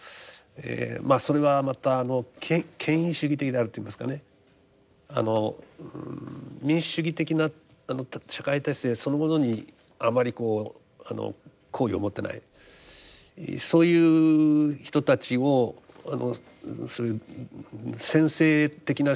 まあそれはまた権威主義的であるといいますかねあの民主主義的な社会体制そのものにあまりこう好意を持ってないそういう人たちをあのそういう専制的な手法を持つ政治家ですね。